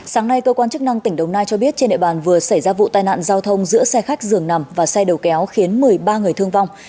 sáng nay cơ quan chức năng tỉnh đồng nai cho biết trên địa bàn vừa xảy ra vụ tai nạn giao thông giữa xe khách dường nằm và xe đầu kéo khiến một mươi ba người thương vong